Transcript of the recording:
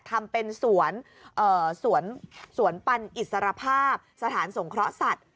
ทำเป็นสวนสวนปันอิสรภาพสถานสงเคราะห์สัตว์